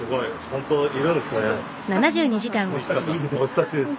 お久しぶりです。